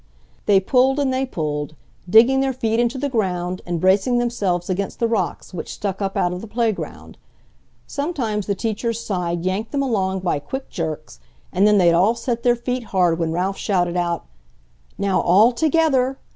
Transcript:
They pulled and they pulled, digging their feet into the ground and bracing themselves against the rocks which stuck up out of the playground. Sometimes the teacher's side yanked them along by quick jerks, and then they'd all set their feet hard when Ralph shouted out, "Now, ALL TOGETHER!"